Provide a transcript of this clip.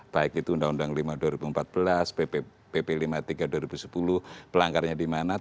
baik itu undang undang lima dua ribu empat belas pp lima puluh tiga dua ribu sepuluh pelanggarnya di mana